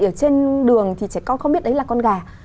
ở trên đường thì trẻ con không biết đấy là con gà